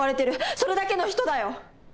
それだけの人だよ！